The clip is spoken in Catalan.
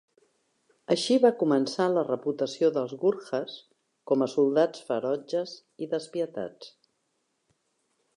Així va començar la reputació dels Gurkhas com a soldats ferotges i despietats.